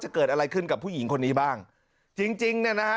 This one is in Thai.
เกิดอะไรขึ้นกับผู้หญิงคนนี้บ้างจริงจริงเนี่ยนะฮะ